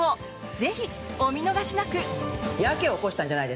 ぜひ、お見逃しなく！